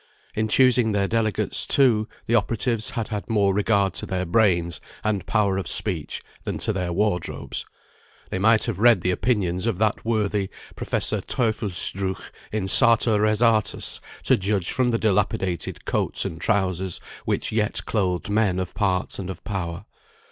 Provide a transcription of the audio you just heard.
In choosing their delegates, too, the operatives had had more regard to their brains, and power of speech, than to their wardrobes; they might have read the opinions of that worthy Professor Teufelsdruch, in Sartor Resartus, to judge from the dilapidated coats and trousers, which yet clothed men of parts and of power.